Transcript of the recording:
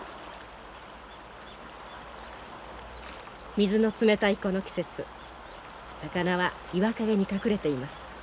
水の冷たいこの季節魚は岩陰に隠れています。